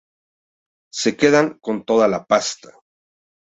se quedan con toda la pasta